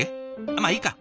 まあいいか。